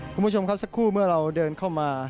คุณผู้ชมครับสักครู่เมื่อเราเดินเข้ามา